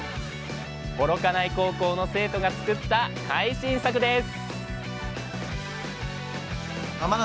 幌加内高校の生徒が作った会心作です